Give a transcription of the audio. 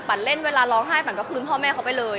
เล่นเวลาร้องไห้ปั่นก็คืนพ่อแม่เขาไปเลย